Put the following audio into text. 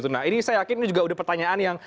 nah ini saya yakin ini juga udah pertanyaan yang